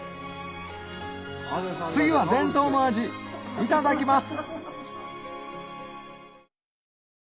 次は伝統の味いただきます